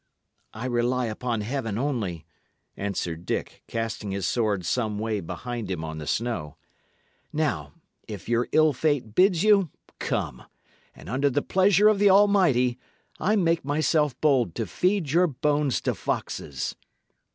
"I rely upon Heaven only," answered Dick, casting his sword some way behind him on the snow. "Now, if your ill fate bids you, come; and, under the pleasure of the Almighty, I make myself bold to feed your bones to foxes."